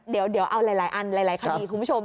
เดี๋ยวเอาหลายอันหลายคดีคุณผู้ชม